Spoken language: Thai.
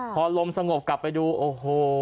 พอลมสงบกลับไปดูโอ้โห